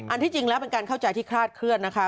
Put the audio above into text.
ที่จริงแล้วเป็นการเข้าใจที่คลาดเคลื่อนนะคะ